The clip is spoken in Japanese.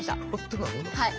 はい。